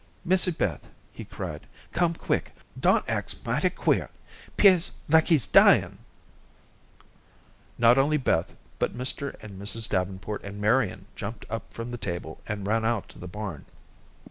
"Missy Beth," he cried, "come quick; Don acts mighty queer. 'Pears like he's dying." Not only Beth, but Mr. and Mrs. Davenport and Marian jumped up from the table and ran out to the barn.